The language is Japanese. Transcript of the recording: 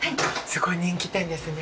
すごい人気店ですね。